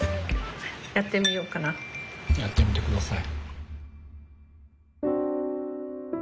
やってみて下さい。